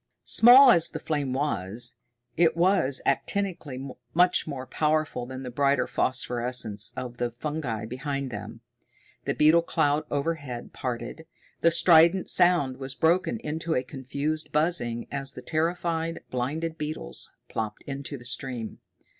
Small as the flame was, it was actinically much more powerful than the brighter phosphorescence of the fungi behind them. The beetle cloud overhead parted. The strident sound was broken into a confused buzzing as the terrified, blinded beetles plopped into the stream.